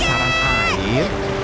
saat melihat kusaran air